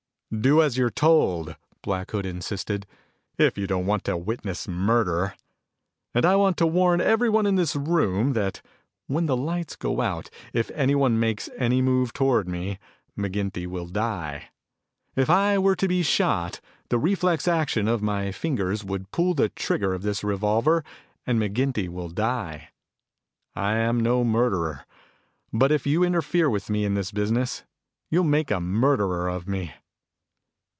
"Do as you're told," Black Hood insisted, "if you don't want to witness murder. And I want to warn everyone in this room, that when the lights go out if anyone makes any move toward me, McGinty will die. Even if I were to be shot, the reflex action of my fingers would pull the trigger of this revolver and McGinty will die. I am no murderer, but if you interfere with me in this business, you'll make a murderer of me."